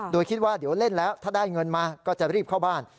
โดยคิดว่าเดี๋ยวเล่นแล้วถ้าได้เงินมาก็จะรีบเข้าบ้าน